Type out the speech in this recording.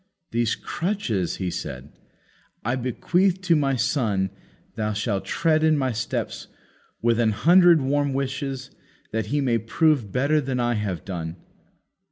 These crutches," he said, "I bequeath to my son that shall tread in my steps, with an hundred warm wishes that he may prove better than I have done."